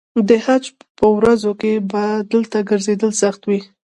د حج په ورځو کې به دلته ګرځېدل سخت وي.